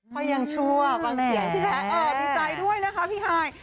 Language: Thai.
เขายังชั่วป่ะแม่ดีใจด้วยนะคะพี่ฮาย